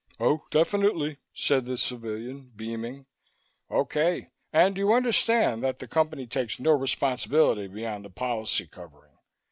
"Oh, definitely," said the civilian, beaming. "Okay. And you understand that the Company takes no responsibility beyond the policy covering?